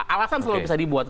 alasan selalu bisa dibuat